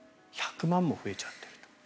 １００万円も増えちゃっていると。